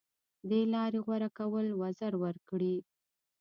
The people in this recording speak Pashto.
دې لارې غوره کول وزر ورکړي